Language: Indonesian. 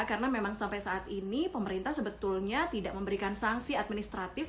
karena memang sampai saat ini pemerintah sebetulnya tidak memberikan sangsi administratif